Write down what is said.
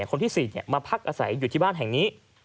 คนที่๔มาพักอาศัยอยู่ที่บ้านแห่งนี้